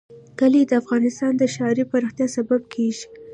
کلي د افغانستان د ښاري پراختیا سبب کېږي.